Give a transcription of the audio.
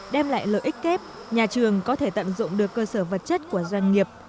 đem lại lợi ích kép nhà trường có thể tận dụng được cơ sở vật chất của doanh nghiệp